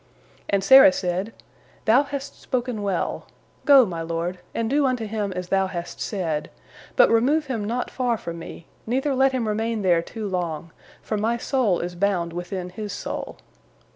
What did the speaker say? And Sarah said, "Thou hast spoken well. Go, my lord, and do unto him as thou hast said, but remove him not far from me, neither let him remain there too long, for my soul is bound within his soul."